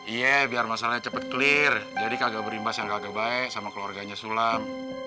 iya biar masalahnya cepat clear jadi kagak berimbas yang kagak baik sama keluarganya sulam